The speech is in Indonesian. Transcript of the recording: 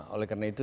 oleh karena itu